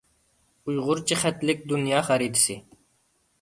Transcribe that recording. ئۇيغۇرچە خەتلىك دۇنيا خەرىتىسى.